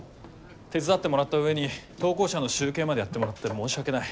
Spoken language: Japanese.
手伝ってもらった上に投稿者の集計までやってもらって申し訳ない。